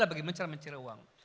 bagaimana cara mencari uang